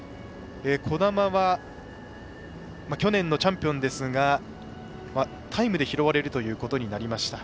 兒玉は去年のチャンピオンですがタイムで拾われるということになりました。